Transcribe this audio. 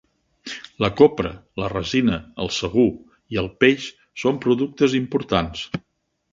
La copra, la resina, el sagú i el peix són productes importants.